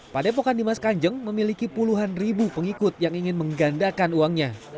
padepokan dimas kanjeng memiliki puluhan ribu pengikut yang ingin menggandakan uangnya